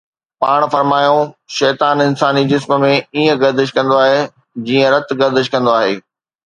پاڻ فرمايائون: شيطان انساني جسم ۾ ائين گردش ڪندو آهي جيئن رت گردش ڪندو آهي